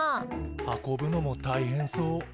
運ぶのも大変そう。